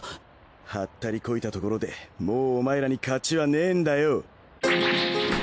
ハッタリこいたところでもうお前らに勝ちはねえんだよ。